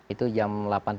itu jam delapan tiga puluh